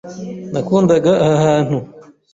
Nakundaga aha hantu.